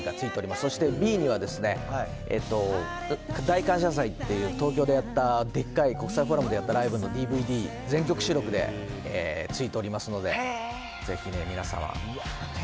そしてＢには大感謝祭っていう、東京でやった、でっかい国際フォーラムでやったライブのＤＶＤ、全曲収録でついておりますので、ぜひ皆様。